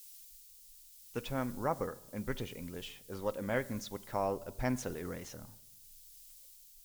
The term rubber in British English is what Americans would call a pencil eraser